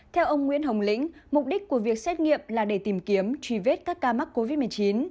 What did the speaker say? theo ông nguyễn hồng lĩnh mục đích của việc xét nghiệm là để tìm kiếm truy vết các ca mắc covid một mươi chín